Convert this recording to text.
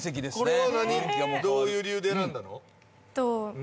これは何どういう理由で選んだの？